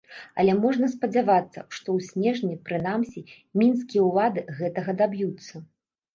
Але можна спадзявацца, што ў снежні прынамсі мінскія ўлады гэтага даб'юцца.